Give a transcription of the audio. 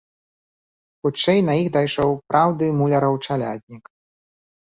Хутчэй на іх дайшоў праўды муляраў чаляднік.